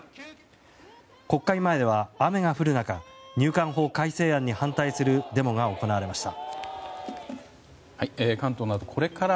国会前では雨が降る中入管法改正案に反対するデモが行われました。